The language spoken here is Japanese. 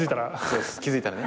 気付いたらね。